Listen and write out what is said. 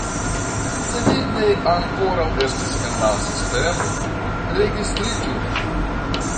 Se vi ne ankoraŭ estis en la sistemo, registriĝu.